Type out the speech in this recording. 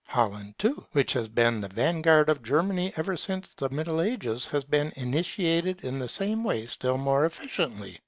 Holland, too, which has been the vanguard of Germany ever since the Middle Ages has been initiated in the same way still more efficiently.